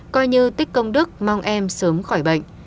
coi như tích công đức mong em sớm khỏi bệnh